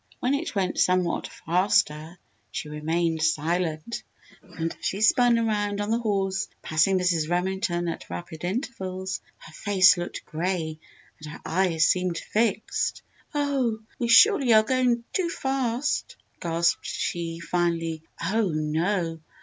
When it went somewhat faster, she remained silent, and as she spun around on the horse, passing Mrs. Remington at rapid intervals, her face looked grey and her eyes seemed fixed. "Oh! we surely are going too fast!" gasped she, finally. "Oh, no!